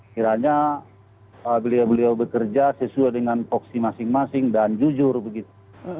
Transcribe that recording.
kiranya beliau beliau bekerja sesuai dengan poksi masing masing dan jujur begitu